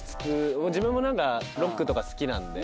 自分も何かロックとか好きなんで。